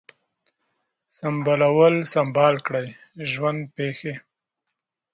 سمبالول ، سمبال کړی ، ژوند پیښې